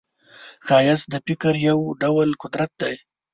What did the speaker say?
ښایست د فکر یو ډول قدرت دی